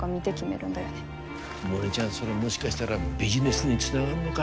モネちゃんそれもしかしたらビジネスにつながんのが？